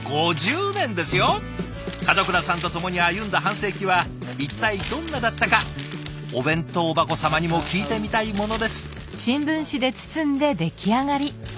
門倉さんと共に歩んだ半世紀は一体どんなだったかお弁当箱様にも聞いてみたいものです。